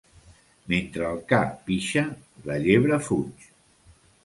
Mentre el ca pixa, la llebre fuig.